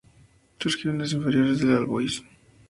Surgió de las inferiores de All Boys.